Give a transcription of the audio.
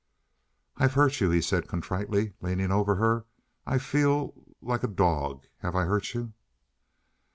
"I've hurt you," he said contritely, leaning over her. "I feel like a dog. Have I hurt you?"